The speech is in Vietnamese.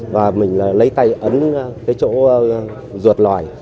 và mình lấy tay ấn cái chỗ ruột lòi